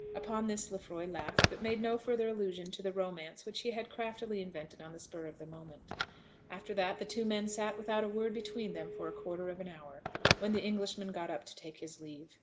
Upon this Lefroy laughed, but made no further allusion to the romance which he had craftily invented on the spur of the moment. After that the two men sat without a word between them for a quarter of an hour, when the Englishman got up to take his leave.